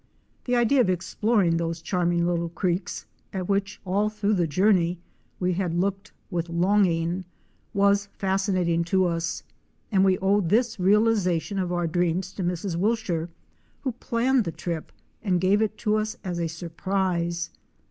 The idea of exploring those charming little creeks at which all through the journey we had looked with longing, was fascinating to us, and we owe this realization of our dreams to Mrs. Wilshire, who planned the trip and gave it to us as a surprise.